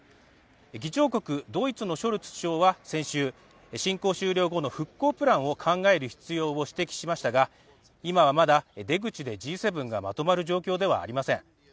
議長国ドイツのショルツ首相は先週、侵攻終了後の復興プランを考える必要を指摘しましたが今はまだ出口でＧ７がまとまる状況ではありません。